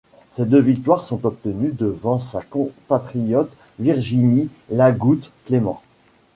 Ces deux victoires sont obtenues devant sa compatriote Virginie Lagoutte-Clement.